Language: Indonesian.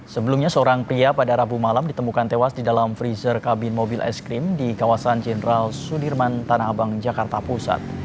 sebelumnya seorang pria pada rabu malam ditemukan tewas di dalam freezer kabin mobil es krim di kawasan jenderal sudirman tanah abang jakarta pusat